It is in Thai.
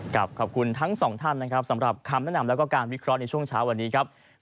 ขอบคุณทั้งสองท่านนะครับสำหรับคำแนะนำแล้วก็การวิเคราะห์ในช่วงเช้าวันนี้ครับ